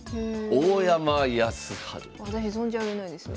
私存じ上げないですね。